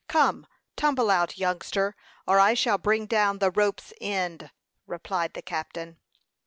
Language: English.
Come, tumble out, youngster, or I shall bring down the rope's end," replied the captain.